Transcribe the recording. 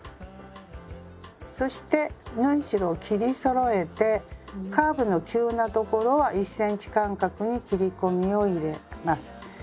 そして縫い代を切りそろえてカーブの急な所は１ｃｍ間隔に切り込みを入れます。